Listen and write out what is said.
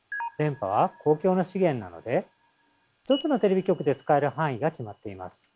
電波は公共の資源なので１つのテレビ局で使える範囲が決まっています。